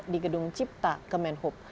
di gedung cipta kemenhub